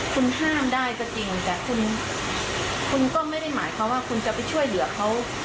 คุณห้ามได้ก็จริงแต่คุณคุณก็ไม่ได้หมายความว่าคุณจะไปช่วยเหลือเขา